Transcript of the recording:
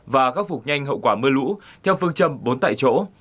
và khắc phục nhanh hậu quả mưa lũ theo phương châm bốn tại chỗ